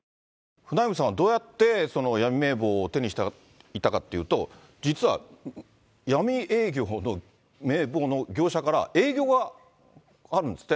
フナイムさんはどうやって闇名簿を手にしていたかというと、実は、闇営業の名簿の業者から営業があるんですって。